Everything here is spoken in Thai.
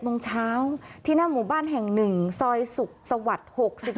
โมงเช้าที่หน้าหมู่บ้านแห่งหนึ่งซอยสุขสวัสดิ์หกสิบ